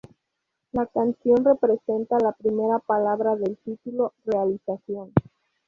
La canción representa la primera palabra del título, realización.